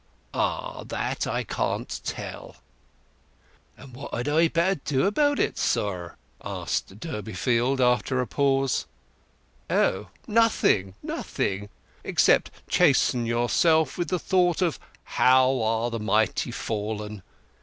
"Ah—that I can't tell!" "And what had I better do about it, sir?" asked Durbeyfield, after a pause. "Oh—nothing, nothing; except chasten yourself with the thought of 'how are the mighty fallen.